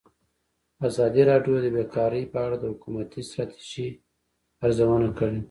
ازادي راډیو د بیکاري په اړه د حکومتي ستراتیژۍ ارزونه کړې.